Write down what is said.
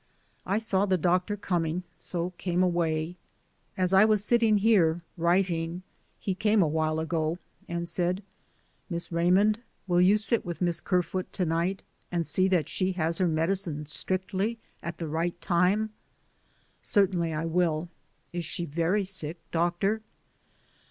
I saw the doc tor coming, so came away. As I was sitting here writing, he came a while ago and said, "Miss Raymond, will you sit with Miss Ker foot to night and see that she has her medi cine strictly at the right time?" ^'Certainly I will. Is she very sick, doc tor?"